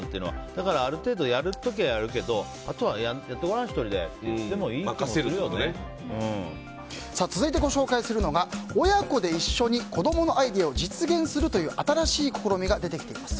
だから、ある程度やる時はやるけどあとはやってごらん、１人で続いてご紹介するのが親子と一緒に子供のアイデアを実現するという新しい試みが出てきています。